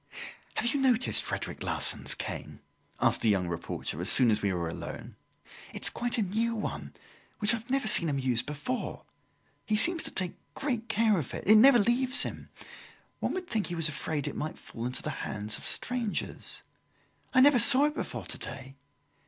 "Have you noticed Frederic Larsan's cane?" asked the young reporter, as soon as we were alone. "It is quite a new one, which I have never seen him use before. He seems to take great care of it it never leaves him. One would think he was afraid it might fall into the hands of strangers. I never saw it before to day.